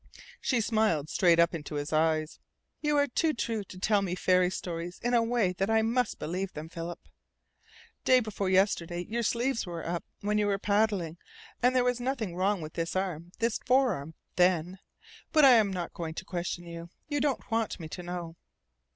She smiled straight up into his eyes. "You are too true to tell me fairy stories in a way that I must believe them, Philip. Day before yesterday your sleeves were up when you were paddling, and there was nothing wrong with this arm this forearm then. But I'm not going to question you. You don't want me to know."